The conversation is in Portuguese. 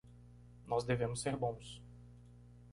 Nós devemos ser bons.